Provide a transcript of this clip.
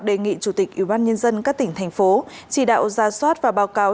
đề nghị chủ tịch ubnd các tỉnh thành phố chỉ đạo ra soát và báo cáo